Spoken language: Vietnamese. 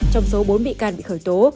trong số bốn bị can bị khởi tố